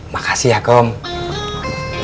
makasih ya kong